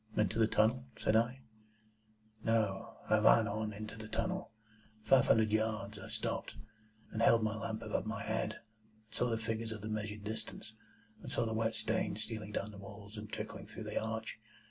"Into the tunnel?" said I. "No. I ran on into the tunnel, five hundred yards. I stopped, and held my lamp above my head, and saw the figures of the measured distance, and saw the wet stains stealing down the walls and trickling through the arch.